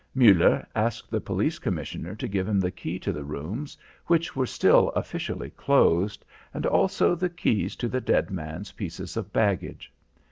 Muller asked the Police Commissioner to give him the key to the rooms, which were still officially closed, and also the keys to the dead man's pieces of baggage.